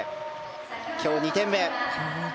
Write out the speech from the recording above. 今日、２点目。